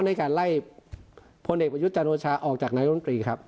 ในการไล่พลเอกประยุทธ์จันโอชาออกจากนายรมตรีครับ